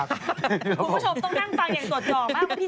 คุณผู้ชมต้องนั่งฟังอย่างสดหย่อบ้างพี่